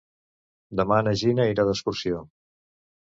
Demà na Gina irà d'excursió.